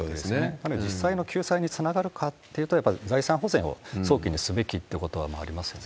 だから実際の救済につながるかっていうと、やっぱり財産保全を早期にすべきってことは、もうありますよね。